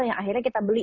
yang akhirnya kita beli